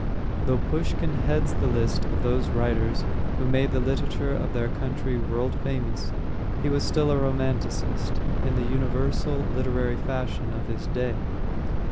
Though Pushkin heads the list of those writers who made the literature of their country world famous, he was still a romanticist, in the universal literary fashion of his day.